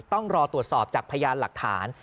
ต้องรอตรวจสอบจากพยานหลักฐาน